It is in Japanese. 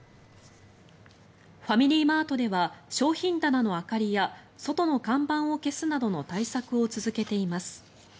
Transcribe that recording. ファミリーマートでは商品棚の明かりや外の看板を消すなどの対策を続けています。